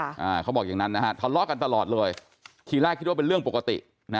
เขาบอกอย่างนั้นนะฮะทะเลาะกันตลอดเลยทีแรกคิดว่าเป็นเรื่องปกตินะ